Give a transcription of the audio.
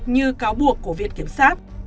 như cáo buộc của việc kiểm soát